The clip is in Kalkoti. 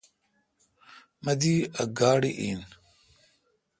مہ دی ا گاڑی این۔